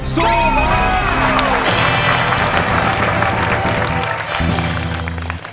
สู้ครับ